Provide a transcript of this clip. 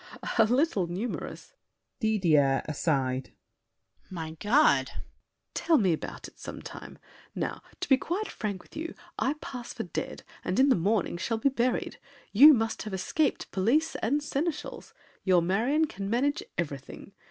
] A little numerous. DIDIER (aside). My God! SAVERNY. Tell me about it some time. Now, To be quite frank with you, I pass for dead, And in the morning shall be buried. You Must have escaped police and seneschals. Your Marion can manage everything!